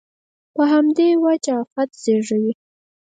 په همدې وجه افت زېږوي.